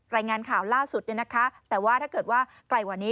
รายงานข่าวล่าสุดเนี่ยนะคะแต่ว่าถ้าเกิดว่าไกลกว่านี้